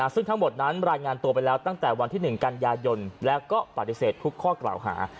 ซึ่งทั้งหมดนั้นรายงานตัวไปแล้วตั้งแต่วันที่๑กันยายนแล้วก็ปฏิเสธทุกข้อกล่าวหา